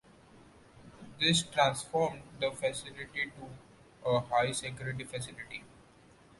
This transformed the facility to a high-security facility.